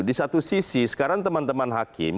di satu sisi sekarang teman teman hakim